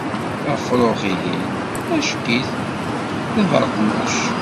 Afrux-ihin acek-it, d aberqmuc